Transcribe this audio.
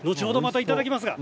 いただきます。